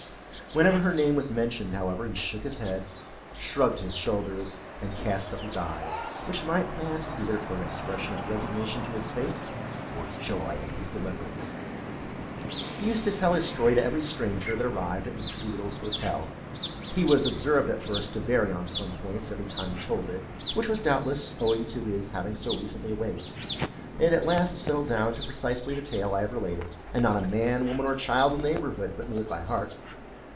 Whenever her name was mentioned, however, he shook his head, shrugged his shoulders, and cast up his eyes; which might pass either for an expression of resignation to his fate, or joy at his deliverance. He used to tell his story to every stranger that arrived at Mr. Doolittle's hotel. He was observed, at first, to vary on some points every time he told it, which was, doubtless, owing to his having so recently awaked. It at last settled down precisely to the tale I have related, and not a man, woman, or child in the neighborhood, but knew it by heart.